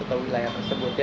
atau wilayah tersebut